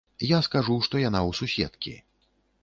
Я скажу, што яна ў суседкі.